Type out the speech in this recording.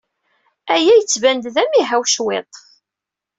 Aya yettban-d d amihaw cwiṭ.